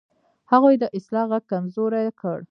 هغوی د اصلاح غږ کمزوری کړ.